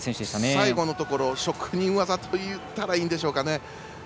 最後のところ職人技といったらいいんですかね。